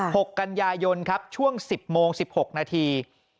หกกัญญายนครับช่วง๑๐โมง๑๖นาที